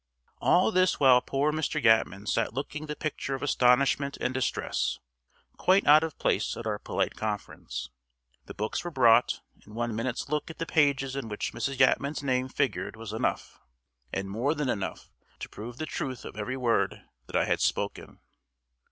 All this while poor Mr. Yatman sat looking the picture of astonishment and distress, quite out of place at our polite conference. The books were brought, and one minute's look at the pages in which Mrs. Yatman's name figured was enough, and more than enough, to prove the truth of every word that I had spoken.